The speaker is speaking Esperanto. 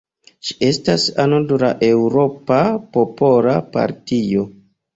Ŝi estas ano de la Eŭropa Popola Partio.